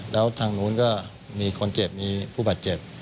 แล้วทางนู้นก็มีคนเจ็บมีผู้บาดเจ็บ